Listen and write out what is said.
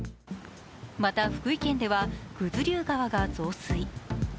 また、福井県では九頭竜川が増水。